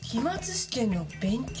試験の勉強。